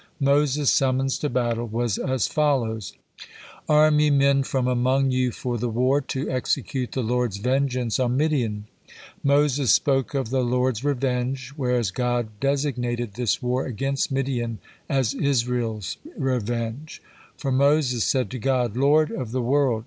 Moses' summons to battle was as follows: "Arm ye men from among you for the war, to execute the Lord's vengeance on Midain." Moses spoke of the Lord's revenge, whereas God designated this war against Midian as Israel's revenge. For Moses said to God: "Lord of the world!